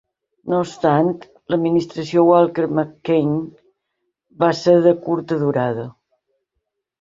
No obstant, l'administració Walker-McKeachnie va ser de curta durada.